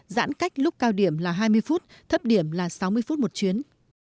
giãn cách lúc cao điểm là hai mươi phút thấp điểm là sáu mươi phút một chuyến